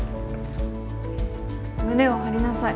胸を張りなさい。